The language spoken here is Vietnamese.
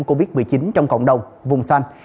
covid một mươi chín trong cộng đồng vùng xanh